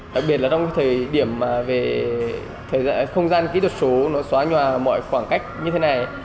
đặc biệt là trong thời điểm mà về thời gian không gian kỹ thuật số nó xóa nhòa mọi khoảng cách như thế này